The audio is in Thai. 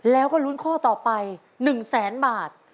แล้วก็ลุ้นข้อต่อไป๑แสนบาท